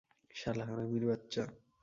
শালা হারামীর বাচ্চা।